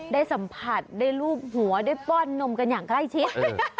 ได้สัมผัสได้รูปหัวได้ป้อนนมกันอย่างใกล้ชิด